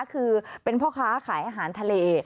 คือเป็นพ่อค้าขายอาหารทะเล